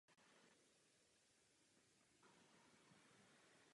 Církevní senát převzal práva předchozích pozemkových vlastníků a zodpovědnost za klášter.